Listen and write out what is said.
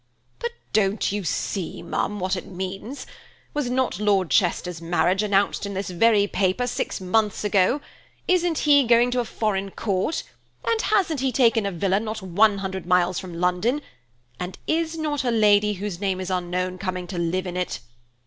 "But don't you see, ma'am, what it means? Was not Lord Chester's marriage announced in this very paper six months ago? Isn't he going to a foreign court? and hasn't he taken a villa not one hundred miles from London–and is not a lady whose name is unknown coming to live in it?